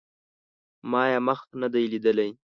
ما یې مخ نه دی لیدلی